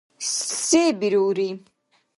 Се бирулри?